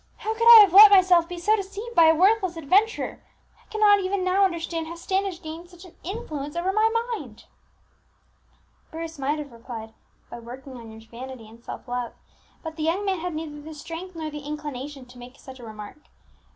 How could I have let myself be so deceived by a worthless adventurer? I cannot even now understand how Standish gained such an influence over my mind!" Bruce might have replied "By working on your vanity and self love;" but the young man had neither the strength nor the inclination to make such a remark.